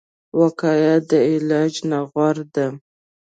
وقایه د علاج نه غوره ده